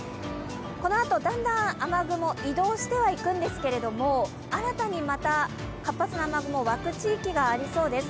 このあとだんだん雨雲移動してはいくんですけれども、新たにまた、活発な雨雲わく地域がありそうです。